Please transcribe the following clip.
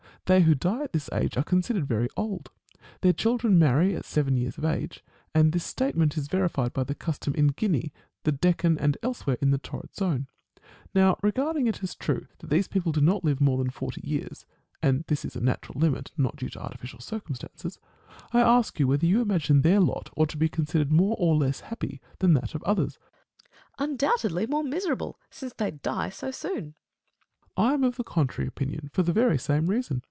They who die at this age are considered very old. Their children marry at seven years of age : and this state ment is verified by the custom in Guinea, the Deccan, and elsewhere in the torrid zone. Now, regarding it as true that these people do not live more than forty years (and this as a natural limit, and not due to artificial cir cumstances), I ask you whether you imagine their lot ought to be considered more or less happy than that of others ? JVat. Phil. Undoubtedly, more miserable, since they die so soon. Met. I am of the contrary opinion for the very same reason.